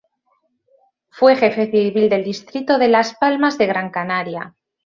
Fue Jefe civil del distrito de Las Palmas de Gran Canaria.